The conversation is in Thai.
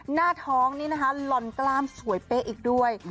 หน้าท้องนี้นะคะลอนกล้ามสวยเป๊ะอีกด้วย